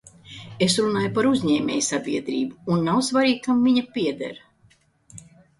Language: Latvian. Es runāju par uzņēmējsabiedrību, un nav svarīgi, kam viņa pieder.